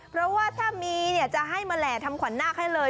เพราะว่าถ้ามีเนี่ยจะให้มาแหล่ทำขวัญนาคให้เลย